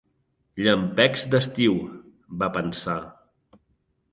"Llampecs d'estiu", va pensar.